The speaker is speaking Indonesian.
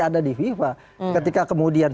ada di fifa ketika kemudian